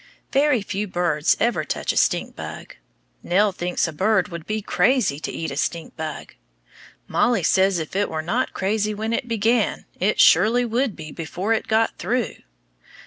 Very few birds ever touch a stink bug. Nell thinks a bird would be crazy to eat a stink bug. Mollie says if it were not crazy when it began, it surely would be before it got through!